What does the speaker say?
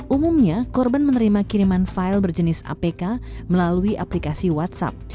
umumnya korban menerima kiriman file berjenis apk melalui aplikasi whatsapp